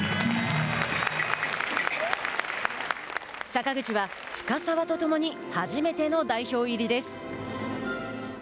坂口は深沢と共に初めての代表入りです。